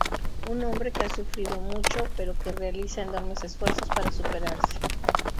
Un hombre que ha sufrido mucho pero que realiza enormes esfuerzos para superarse.